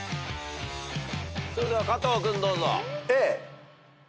それでは加藤君どうぞ。